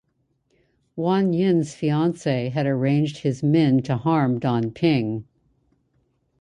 Wan-Yin's fiance had arranged his men to harm Dan Ping.